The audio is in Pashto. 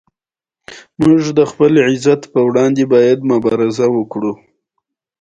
افغانان هم کار کولی شي.